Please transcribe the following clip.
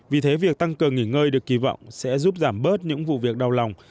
vì thế việc tăng cường nghỉ ngơi được kỳ vọng sẽ giúp giảm bớt những vụ việc đau lòng